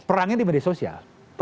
perangnya di media sosial